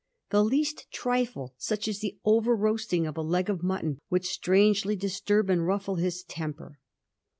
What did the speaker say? The least trifle, such as the over roasting of a leg of mutton, would strangely disturb and ruffle his temper.'